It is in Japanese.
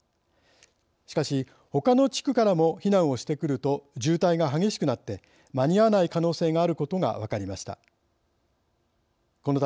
しかし、ほかの地区からも避難をしてくると渋滞が激しくなって間に合わない可能性があることが分かりました。